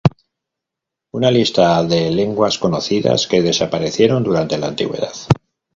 Una lista de lenguas conocidas que desaparecieron durante la antigüedad.